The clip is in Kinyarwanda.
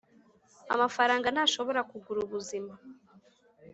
amafaranga ntashobora kugura ubuzima.